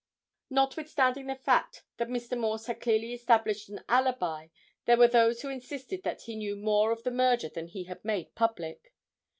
Notwithstanding the fact that Mr. Morse had clearly established an alibi there were those who insisted that he knew more of the murder than he had made public.